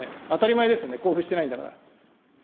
当たり前ですね、交付してないんだから。